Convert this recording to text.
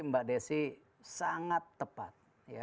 mbak desi sangat tepat